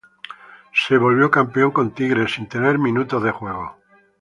Se volvió campeón con Tigres, sin tener minutos de juego.